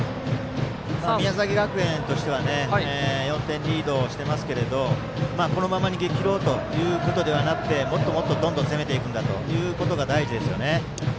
宮崎学園としては４点リードしていますけどもこのまま逃げ切ろうということではなくもっとどんどん攻めていくんだということが大事ですよね。